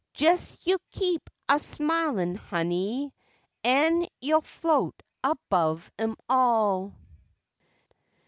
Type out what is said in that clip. Jes, yo' keep a smilin' honey v An' yo'll float above 'em all.